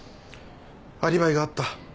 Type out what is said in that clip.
アリバイがあった。